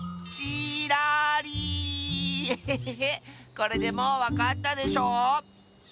これでもうわかったでしょう？